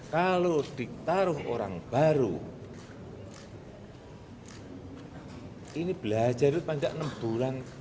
kalau ditaruh orang baru ini belajar itu panjang enam bulan